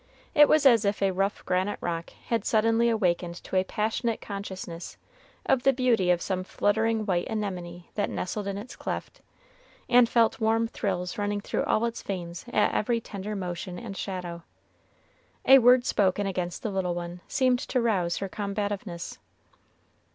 It was as if a rough granite rock had suddenly awakened to a passionate consciousness of the beauty of some fluttering white anemone that nestled in its cleft, and felt warm thrills running through all its veins at every tender motion and shadow. A word spoken against the little one seemed to rouse her combativeness.